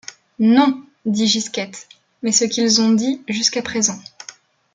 Non, dit Gisquette, mais ce qu’ils ont dit jusqu’à présent.